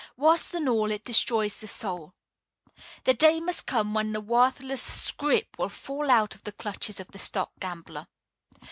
Worse than all, it destroys the soul. The day must come when the worthless scrip will fall out of the clutches of the stock gambler.